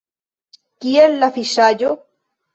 Kiel la fiŝaĵo?